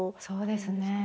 そうですね。